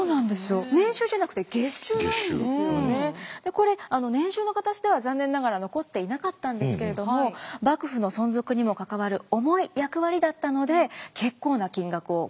これ年収の形では残念ながら残っていなかったんですけれども幕府の存続にも関わる重い役割だったので結構な金額をもらっていたようなんです。